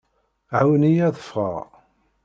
Ɛawen-iyi ad ffɣeɣ.